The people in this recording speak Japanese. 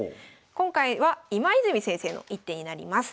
今回は今泉先生の一手になります。